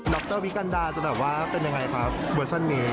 รวิกันดาจะแบบว่าเป็นยังไงครับเวอร์ชันนี้